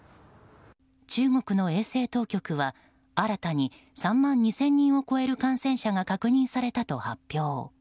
中国の衛生当局は新たに３万２０００人を超える感染者が確認されたと発表。